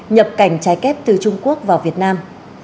nhập cảnh trái phép từ trung quốc vào việt nam